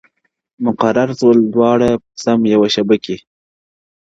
• مقرر سوه دواړه سم یوه شعبه کي,